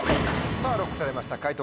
さぁＬＯＣＫされました解答